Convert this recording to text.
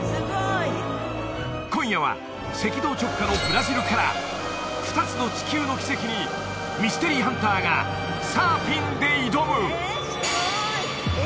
今夜は赤道直下のブラジルからふたつの地球の奇跡にミステリーハンターがサーフィンで挑む！